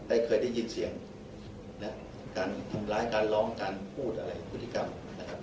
เคยได้ยินเสียงนะการทำร้ายการร้องการพูดอะไรพฤติกรรมนะครับ